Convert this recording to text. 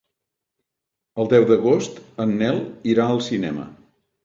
El deu d'agost en Nel irà al cinema.